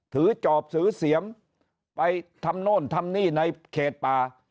จอบถือเสียมไปทำโน่นทำนี่ในเขตป่า